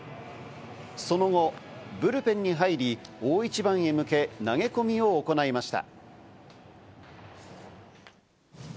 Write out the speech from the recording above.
その後、ブルペンに入り、大一番へ向け、投げ込みを行いました。